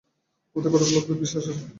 আমাদের কতকগুলি অদ্ভুত বিশ্বাস আছে।